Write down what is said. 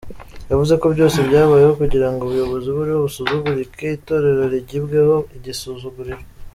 Yavuze ko byose byabayeho kugira ngo ubuyobozi buriho busuzugurike, Itorero rigibweho igisuzuguriro.